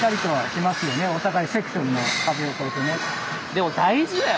でも大事だよ